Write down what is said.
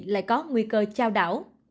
lại có nguy cơ trao đảo